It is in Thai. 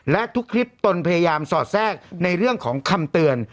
และทุกคลิปตนพยายามสอดแทรกในเรื่องของคำเตือน